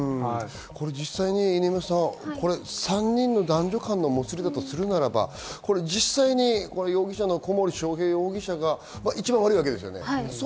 実際に３人の男女間のもつれだとするならば、実際に容疑者の小森章平容疑者が一番悪いわけですよね。